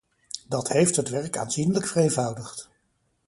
Dat heeft het werk aanzienlijk vereenvoudigd.